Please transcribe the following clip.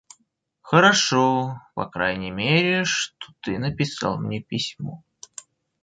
Хорошо, по крайней мере, что ты написал мне письмо.